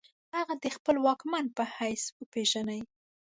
هغه د خپل واکمن په حیث وپیژني.